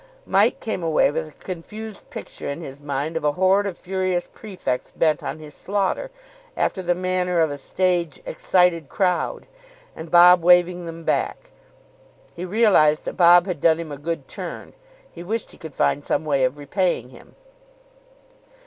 Mike came away with a confused picture in his mind of a horde of furious prefects bent on his slaughter, after the manner of a stage "excited crowd," and Bob waving them back. He realised that Bob had done him a good turn. He wished he could find some way of repaying him.